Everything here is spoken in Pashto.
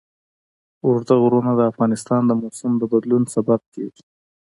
اوږده غرونه د افغانستان د موسم د بدلون سبب کېږي.